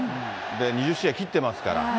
２０試合切ってますから。